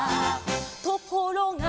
「ところが」